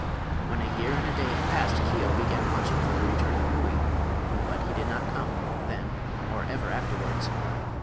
When a year and a day had passed Keo began watching for the return of Gouie; but he did not come, then or ever afterwards.